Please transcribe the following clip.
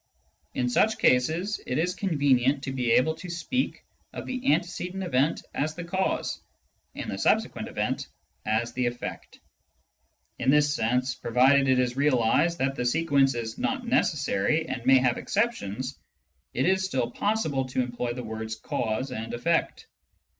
In such cases, it is convenient to be able to speak of the antecedent event as the " cause " and the subsequent event as the " effect." In this sense, provided it is realised that the sequence is not necessary and may have exceptions, it is still possible to employ the words " cause " and " effect."